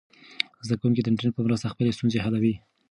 زده کوونکي د انټرنیټ په مرسته خپلې ستونزې حلوي.